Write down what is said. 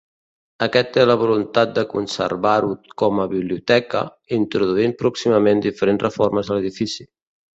Aquest té la voluntat de conservar-ho com a biblioteca, introduint pròximament diferents reformes a l'edifici.